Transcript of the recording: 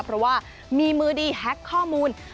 เพราะว่ามีมือดีแฮ็กข้อมูล